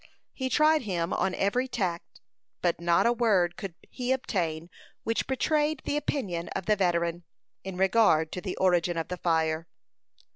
He tried him on every tack, but not a word could he obtain which betrayed the opinion of the veteran, in regard to the origin of the fire.